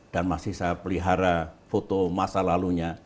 dan masih saya pelihara foto masa lalunya